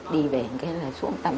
đi về anh kia là xuống tập